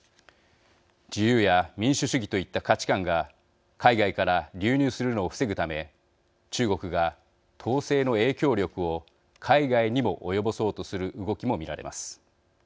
自由や民主主義といった価値観が海外から流入するのを防ぐため中国が統制の影響力を海外にも及ぼそうとする動きも見られます。